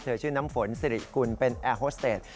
ชื่อน้ำฝนสิริกุลเป็นแอร์โฮสเตจ